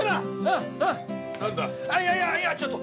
あいやいやちょっと。